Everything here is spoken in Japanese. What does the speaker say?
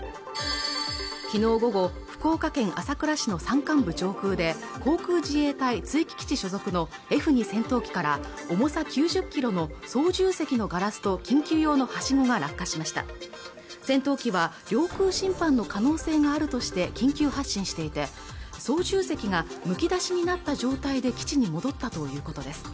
昨日午後福岡県朝倉市の山間部上空で航空自衛隊築城基地所属のＦ２戦闘機から重さ９０キロの操縦席のガラスと緊急用の橋が落下しました戦闘機は領空侵犯の可能性があるとして緊急発進していて操縦席がむき出しになった状態で基地に戻ったということです